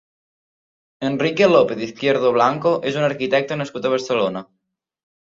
Enrique López-Izquierdo Blanco és un arquitecte nascut a Barcelona.